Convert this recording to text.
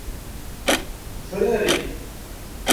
Frari.